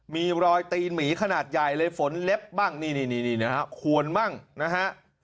มีรอยตีนหมีขนาดใหญ่เลยฝนเล็บบ้างนี่นะฮะควรบ้างนะฮะ